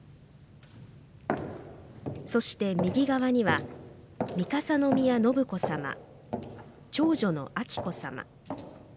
そして右側には三笠宮信子さま長女の彬子さま